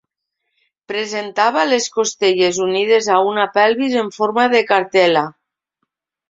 Presentava les costelles unides a una pelvis en forma de cartel·la.